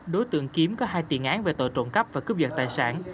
đối tượng kiếm có hai tiền án về tội trộn cắp và cướp dựt tài sản